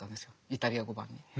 イタリア語版の。